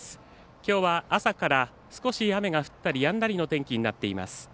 きょうは朝から少し雨が降ったりやんだりの天気になっています。